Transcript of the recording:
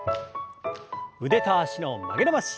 腕と脚の曲げ伸ばし。